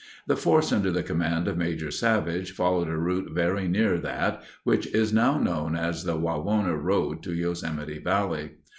The force under the command of Major Savage followed a route very near that which is now known as the Wawona Road to Yosemite Valley.